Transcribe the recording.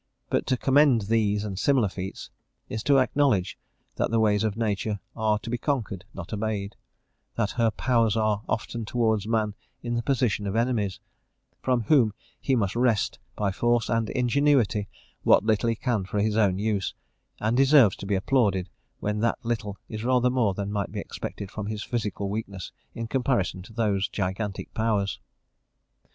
But to commend these and similar feats, is to acknowledge that the ways of nature are to be conquered, not obeyed; that her powers are often towards man in the position of enemies, from whom he must wrest, by force and ingenuity, what little he can for his own use, and deserves to be applauded when that little is rather more than might be expected from his physical weakness in comparison to those gigantic powers.